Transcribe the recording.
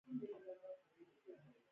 آیا د ایران کلتور رنګین نه دی؟